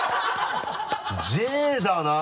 「Ｊ」だな。